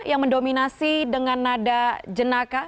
yang mendominasi dengan nada jenaka